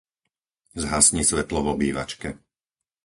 Zhasni svetlo v obývačke.